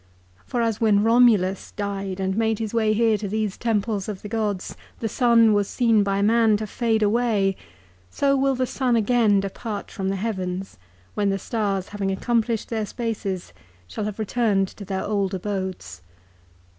For as when Romulus died and made his way here to these temples of the gods, the sun was seen by man to fade away, so will the sun again depart from the heavens, when the stars having accomplished their spaces shall have returned to their old abodes.